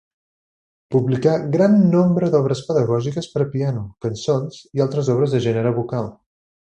Publicà gran nombre d'obres pedagògiques per a piano; cançons i altres obres del gènere vocal.